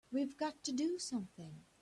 We've got to do something!